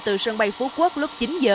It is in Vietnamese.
từ sân bay phú quốc lúc chín h